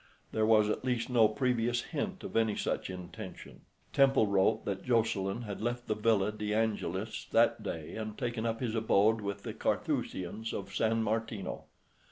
There was at least no previous hint of any such intention. Temple wrote that Jocelyn had left the Villa de Angelis that day and taken up his abode with the Carthusians of San Martino.